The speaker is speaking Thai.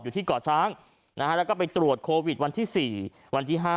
อยู่ที่เกาะช้างแล้วก็ไปตรวจโควิดวันที่๔วันที่๕